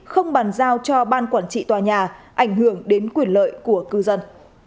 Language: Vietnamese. không bàn giao cho ban quản trị tòa nhà ảnh hưởng đến quyền lợi của cư dân